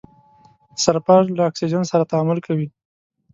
سلفر له اکسیجن سره تعامل کوي.